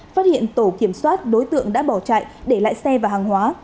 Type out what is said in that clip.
phát hiện tổ kiểm soát đối tượng đã bỏ chạy để lại xe và hàng hóa